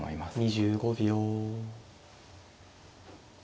２５秒。